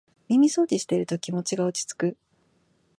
耳そうじしてると気持ちが落ちつく